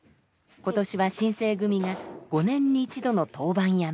今年は新盛組が５年に一度の当番山。